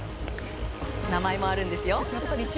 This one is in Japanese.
名前もあるんですよ。